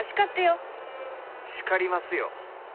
叱りますよ。